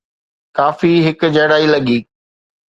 ڪافي هڪجهڙائي لڳي.